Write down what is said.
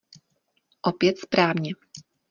Opět správně.